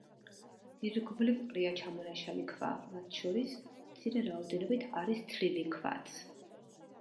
ირგვლივ ყრია ჩამონაშალი ქვა, მათ შორის, მცირე რაოდენობით არის თლილი ქვაც.